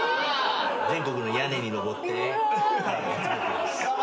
全国の屋根にのぼって集めてます。